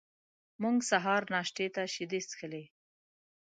موږ سهار ناشتې ته شیدې څښلې.